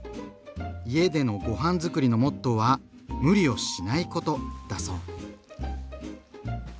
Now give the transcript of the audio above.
家でのごはんづくりのモットーは「無理をしないこと」だそう。